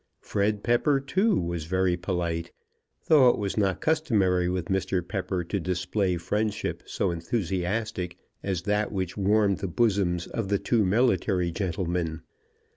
Fred Pepper too was very polite, though it was not customary with Mr. Pepper to display friendship so enthusiastic as that which warmed the bosoms of the two military gentlemen.